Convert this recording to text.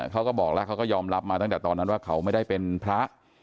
เขาก็บอกแล้วเขาก็ยอมรับมาตั้งแต่ตอนนั้นว่าเขาไม่ได้เป็นพระ